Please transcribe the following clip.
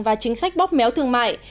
và chính sách bóp méo thương mại